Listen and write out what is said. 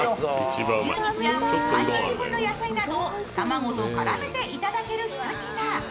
牛肉や半日分の野菜などを卵と絡めていただける一品。